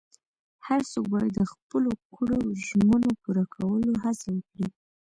هر څوک باید د خپلو کړو ژمنو پوره کولو هڅه وکړي.